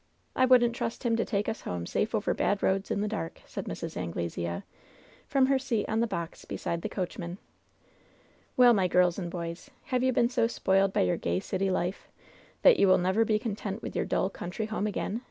I wouldn't trust him to take us home safe over bad roads in the dark," said Mrs. Anglesea, from her seat on the box beside the coachman. "Well, my girls and boys, have you been so spoiled by your gay city life that you will never be content with your dull, country home again?"